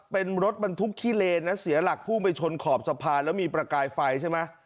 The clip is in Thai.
เป็นรถบรรทุกขี้เลนนะเสียหลักพุ่งไปชนขอบสะพานแล้วมีประกายไฟใช่ไหม